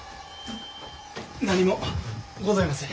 何もございません。